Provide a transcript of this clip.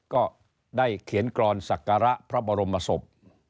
ก็ได้เขียนกรอนศักระพระบรมศพ